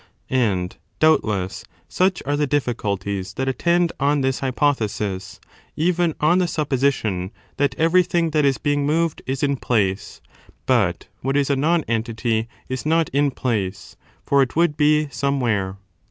And, doubtless, such are the difficulties that attend on this hypothesis, even on the supposition that everything that is being moved is in place ; but what is a nonentity is not in place, for it would be somewhere.